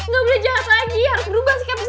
gak boleh jahat lagi harus berubah sikap